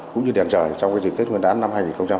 cũng như đèn trời trong dịp tết nguyên đán năm hai nghìn hai mươi